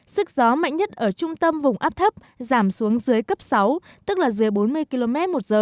sức gió mạnh nhất ở trung tâm vùng áp thấp giảm xuống dưới cấp sáu tức là dưới bốn mươi km một giờ